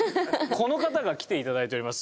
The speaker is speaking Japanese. この方が来ていただいております。